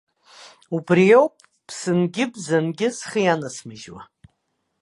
Убри ауп ԥсынгьы-бзангьы схы ианасмыжьуа!